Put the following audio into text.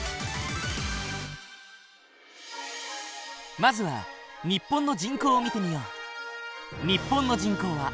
まずは日本の人口を見てみよう。